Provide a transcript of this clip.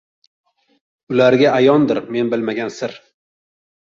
Ularga ayondir men bilmagan sir: